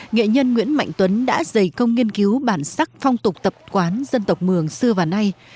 nghệ nhân nguyễn mạnh tuấn đã dày công nghiên cứu bản sắc phong tục tập quán dân tộc mường xưa và nay